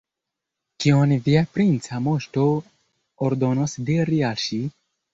Kion via princa moŝto ordonos diri al ŝi?